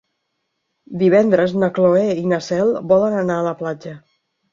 Divendres na Cloè i na Cel volen anar a la platja.